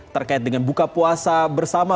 terkait dengan buka puasa bersama